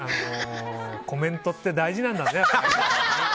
コメントって大事なんだね。